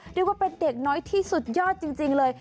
เรียกว่าเป็นเด็กน้อยที่สุดยอดจริงเลย